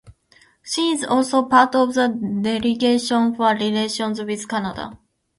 She is also part of the Delegation for relations with Canada.